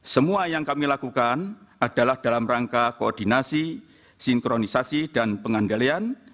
semua yang kami lakukan adalah dalam rangka koordinasi sinkronisasi dan pengandalian